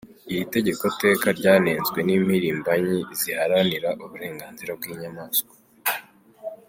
Iri tegeko-teka ryanenzwe n'impirimbanyi ziharanira uburenganzira bw'inyamaswa.